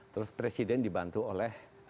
terus presiden dibantu oleh